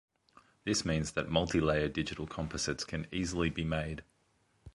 This means that multi-layer digital composites can easily be made.